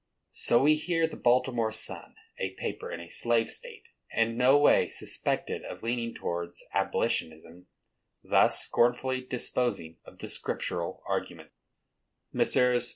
So we hear the Baltimore Sun, a paper in a slave state, and no way suspected of leaning towards abolitionism, thus scornfully disposing of the scriptural argument: Messrs.